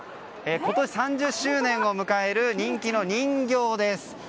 今年３０周年を迎える人気の人形です。